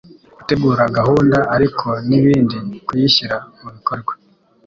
Gutegura gahunda, ariko nibindi kuyishyira mubikorwa.